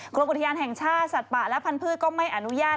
กรมอุทยานแห่งชาติสัตว์ป่าและพันธุ์ก็ไม่อนุญาต